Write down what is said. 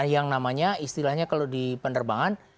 yang namanya istilahnya kalau di penerbangan